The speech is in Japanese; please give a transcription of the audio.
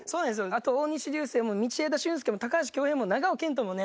あと大西流星も道枝駿佑も高橋恭平も長尾謙杜もね。